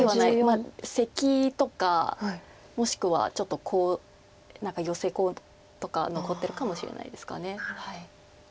まあセキとかもしくはちょっとコウヨセコウとか残ってるかもしれないですか。